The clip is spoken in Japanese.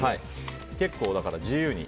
結構自由に。